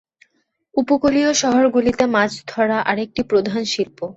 উপকূলীয় শহরগুলিতে মাছ ধরা আরেকটি প্রধান শিল্প।